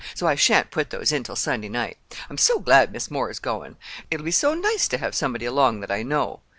So I shan't put those in till Sunday night. I'm so glad Mis' Moore's going. It'll be so nice to have somebody along that I know."